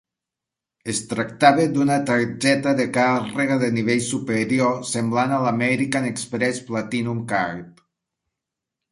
Es tractava d'una targeta de càrrega de nivell superior semblant a l'American Express Platinum Card.